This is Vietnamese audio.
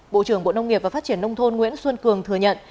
bộ trưởng bộ nông nghiệp và phát triển nông thôn nguyễn xuân cường thừa nhận